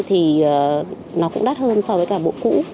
thì nó cũng đắt hơn so với cả bộ cũ